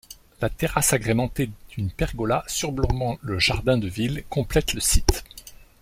La terrasse agrémentée d'une pergola surplombant le Jardin de Ville, complètent le site.